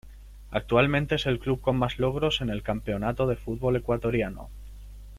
Actualmente es el club con más logros en el campeonato de fútbol ecuatoriano.